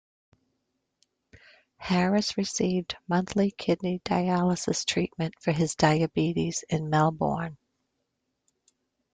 Harris received monthly kidney dialysis treatment for his diabetes in Melbourne.